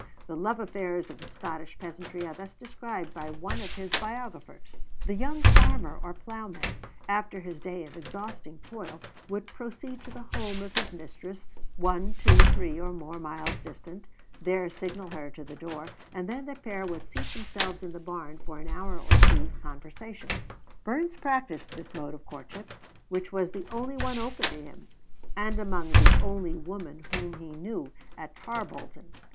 The love affairs of the Scottish peasantry are thus described by one of his biographers: "The young farmer or plowman, after his day of exhausting toil, would proceed to the home of his mistress, one, two, three, or more miles distant, there signal her to the door, and then the pair would seat themselves in the barn for an hour or two's conversation." Burns practiced this mode of courtship, which was the only one open to him, and among the only women whom he knew at Tarbolton.